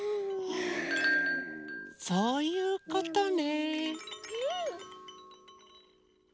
そういうことね。